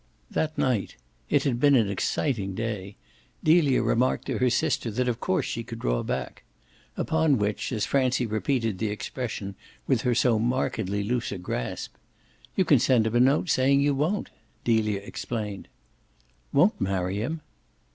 That night it had been an exciting day Delia remarked to her sister that of course she could draw back; upon which as Francie repeated the expression with her so markedly looser grasp, "You can send him a note saying you won't," Delia explained. "Won't marry him?"